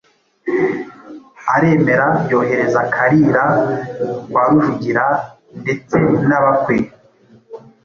aremera yohereza Kalira kwa Rujugira ndetse n'abakwe,